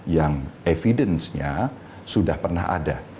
yang evidence nya sudah pernah ada